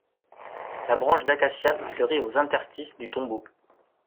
La branche d'acacia fleurit aux interstices du tombeau.